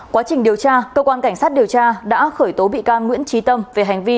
quá trình điều tra cơ quan cảnh sát điều tra đã khởi tố bị can nguyễn trí tâm về hành vi